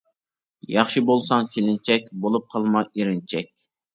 ياخشى بولساڭ كېلىنچەك، بولۇپ قالما ئېرىنچەك.